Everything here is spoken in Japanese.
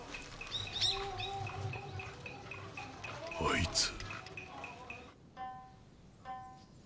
あいつ。